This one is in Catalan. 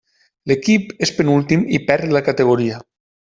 L'equip és penúltim i perd la categoria.